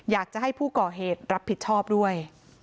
อยากจะให้ผู้ก่อเหตุรับผิดชอบด้วย